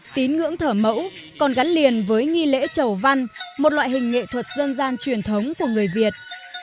tín ngưỡng thờ mẫu còn gắn liền với nghi lễ chầu văn một loại hình nghệ thuật dân gian truyền thống của người việt